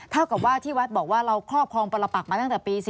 เท่ากับว่าที่วัดบอกว่าเราครอบครองปรปักมาตั้งแต่ปี๔๔